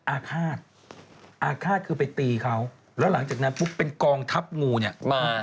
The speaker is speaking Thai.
อาฆาตอาฆาตคือไปตีเขาแล้วหลังจากนั้นปุ๊บเป็นกองทัพงูเนี่ยมา